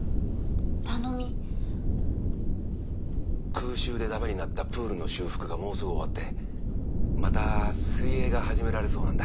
空襲で駄目になったプールの修復がもうすぐ終わってまた水泳が始められそうなんだ。